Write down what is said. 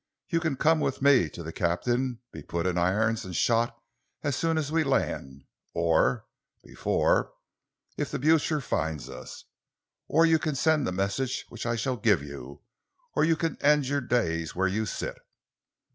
You can come with me to the captain, be put in irons and shot as soon as we land or before, if the Blucher finds us; or you can send the message which I shall give you; or you can end your days where you sit."